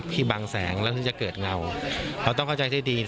บางแสงแล้วถึงจะเกิดเงาเราต้องเข้าใจให้ดี